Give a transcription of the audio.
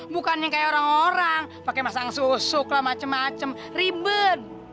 bukannya kayak orang orang pakai masang susuk lah macem macem ribet